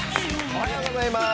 おはようございます。